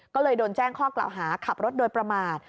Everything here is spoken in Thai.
ก็เลยโดนแจ้งข้อกล่าวหาขับรถโดยประมาท